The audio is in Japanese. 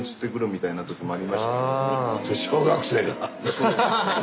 そうですね。